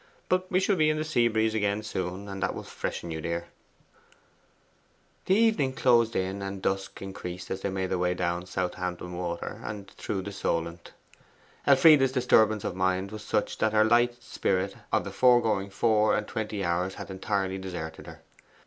But we shall be in the sea breeze again soon, and that will freshen you, dear.' The evening closed in and dusk increased as they made way down Southampton Water and through the Solent. Elfride's disturbance of mind was such that her light spirits of the foregoing four and twenty hours had entirely deserted her.